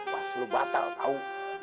pas lu batal tau